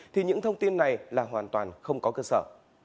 thì những thông tin này là hoàn toàn không có cơ sở